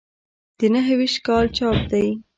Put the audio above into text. د نهه ویشت کال چاپ دی.